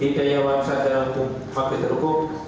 hidayat wangsa jalan pemaklis rukuh